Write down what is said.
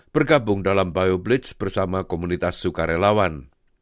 bergabung dalam biobleach bersama komunitas sukarelawan